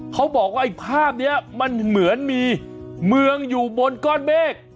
เขาบอกว่าไอ้ภาพนี้มันเหมือนมีเมืองอยู่บนก้อนเมฆ